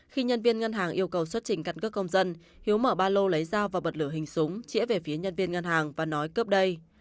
khi nhân viên ngân hàng yêu cầu xuất trình căn cước công dân hiếu mở ba lô lấy dao và bật lửa hình súng chỉa về phía nhân viên ngân hàng và nói cấp đây